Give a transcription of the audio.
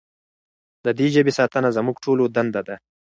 د دې ژبې ساتنه زموږ ټولو دنده ده.